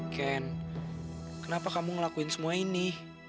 ken kenapa kamu ngelakuin semua ini